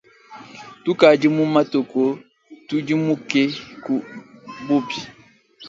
Tukadi mu matuku tudimuke ku bubi.